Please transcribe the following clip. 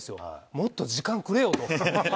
もっと時間くれよと。